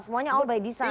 semuanya all by design